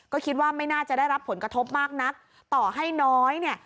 ก็คิดว่าไม่น่าจะได้รับผลกระทบมากนักต่อให้น้อยเนี่ย